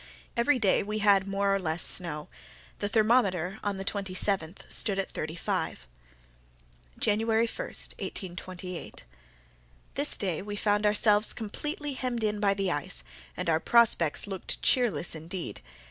Every day we had more or less snow. The thermometer, on the twenty seventh stood at thirty five. January 1, 1828.—This day we found ourselves completely hemmed in by the ice, and our prospects looked cheerless indeed.